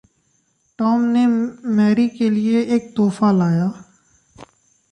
Tom ने Mary के लिये एक तोहफ़ा लाया।